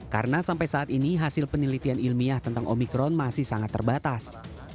karena sampai saat ini hasil penelitian ilmiah tentang omikron masih sangat terbatas